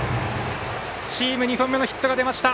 チーム２本目のヒットが出ました。